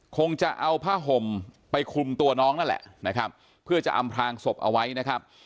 คงจะเอาผ้าห่มไปคุมตัวน้องนั่นแหละนะครับเพื่อจะอำพลางศพเอาไว้นะครับ